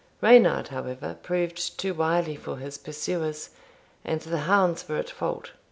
Reynard, however, proved too wily for his pursuers, and the hounds were at fault.